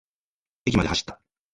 駅まで走った。